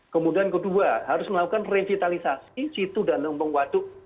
kemudian kedua harus melakukan revitalisasi situs dan lombong waduk